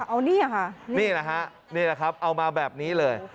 เอานี่ฮะนี่นะฮะเอามาแบบนี้เลย